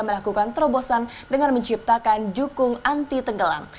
melakukan terobosan dengan menciptakan jukung anti tenggelam